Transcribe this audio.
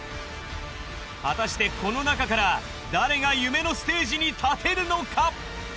果たしてこの中から誰が夢のステージに立てるのか？